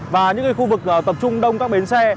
và những khu vực tập trung đông các bến xe